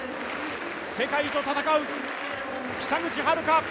世界と戦う北口榛花。